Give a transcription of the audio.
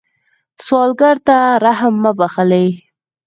سوالګر ته رحم مه بخلئ